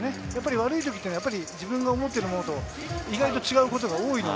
悪いときっていうのは自分の思ってるものと意外と違うことが多いので。